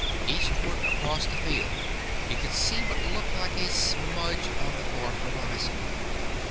Eastward across the field he could see what looked like a smudge on the far horizon.